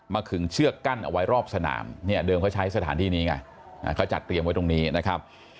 ขึงเชือกกั้นเอาไว้รอบสนามเนี่ยเดิมเขาใช้สถานที่นี้ไงเขาจัดเตรียมไว้ตรงนี้นะครับ